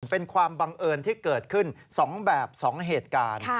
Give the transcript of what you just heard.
เป็นความบังเอิญที่เกิดขึ้น๒แบบ๒เหตุการณ์